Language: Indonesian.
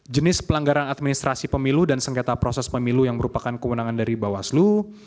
jenis pelanggaran administrasi pemilu dan sengketa proses pemilu yang merupakan kewenangan dari bawaslu